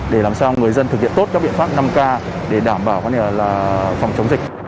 để làm sao người dân thực hiện tốt các biện pháp năm k để đảm bảo phòng chống dịch